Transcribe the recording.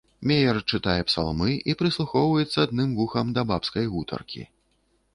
Меер чытае псалмы і прыслухоўваецца адным вухам да бабскай гутаркі.